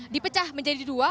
dipecah menjadi dua